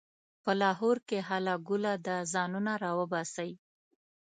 په لاهور کې هله ګوله ده؛ ځانونه راباسئ.